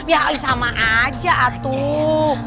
ya sama aja atuh